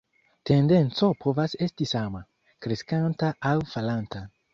Tendenco povas esti sama, kreskanta aŭ falanta.